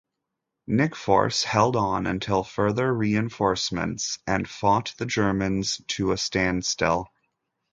Nickforce held on until further reinforcements and fought the Germans to a standstill.